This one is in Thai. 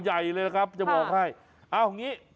ไม่เล็กครับจะบอกให้ที่ยาวใหญ่นะครับ